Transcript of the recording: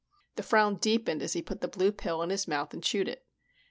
The frown deepened as he put the blue pill in his mouth and chewed it.